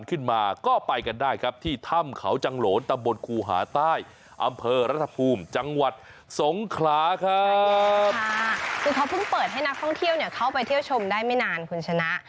คือเขาเพิ่งเปิดให้นักท่องเที่ยวเข้าไปเที่ยวชมได้ไม่นานคุณชนะ